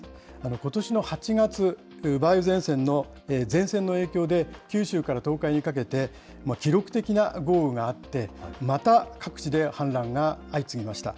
ことしの８月、前線の影響で、九州から東海にかけて、記録的な豪雨があって、また各地で氾濫が相次ぎました。